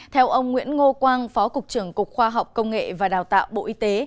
theo ông nguyễn ngô quang phó cục trưởng cục khoa học công nghệ và đào tạo bộ y tế